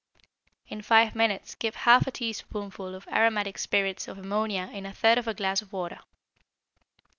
In five minutes give half a teaspoonful of aromatic spirits of ammonia in a third of a glass of water.